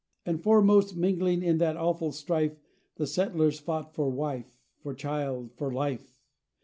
And foremost mingling in that awful strife, The settlers fought for wife, for child, for life.